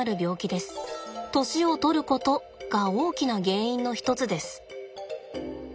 年をとることが大きな原因の一つです。